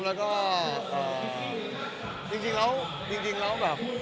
ก็ดีครับใช่ครับมันก็น่ารักดีครับแล้วก็จริงแล้วแบบ